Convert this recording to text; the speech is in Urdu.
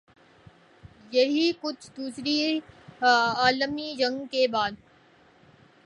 یہی کچھ دوسری عالمی جنگ کے بعد